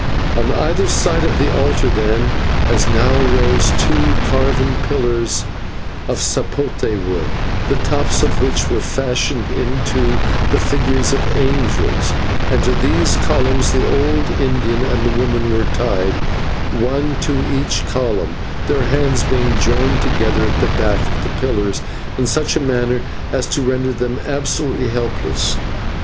On either side of the altar then, as now, rose two carven pillars of /sapote/ wood, the tops of which were fashioned into the figures of angels, and to these columns the old Indian and the woman were tied, one to each column, their hands being joined together at the back of the pillars in such a manner as to render them absolutely helpless.